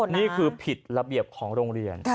นี่คือผิดระเบียบของโรงเรียน